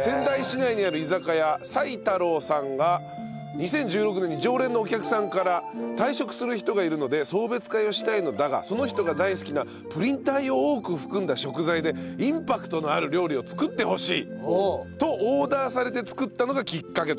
仙台市内にある居酒屋斎太郎さんが２０１６年に常連のお客さんから退職する人がいるので送別会をしたいのだがその人が大好きなプリン体を多く含んだ食材でインパクトのある料理を作ってほしいとオーダーされて作ったのがきっかけと。